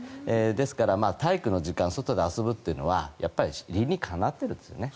ですから体育の時間、外で遊ぶというのはやっぱり理にかなっているんですよね。